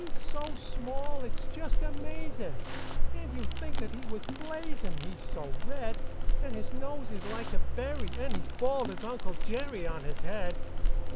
"] He's so small, it's just amazin', And you 'd think that he was blazin', He's so red; And his nose is like a berry, And he's bald as Uncle Jerry On his head.